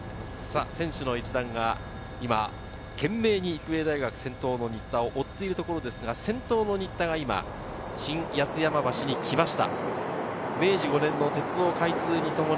選手の一団が今、懸命に育英大学、先頭の新田を追っているところですが先頭の新田が今、新八ツ山橋に来ました。